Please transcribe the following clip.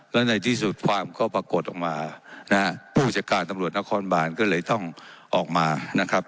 และในที่สุดความก็ปรากฏออกมานะฮะผู้จัดการตำรวจนครบานก็เลยต้องออกมานะครับ